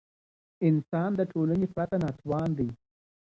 انسان د ټولني پرته ناتوان دی.